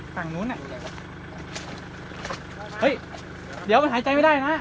กรีมวิทยาศาสตราครับ